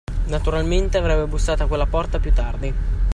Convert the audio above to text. Naturalmente, avrebbe bussato a quella porta, più tardi.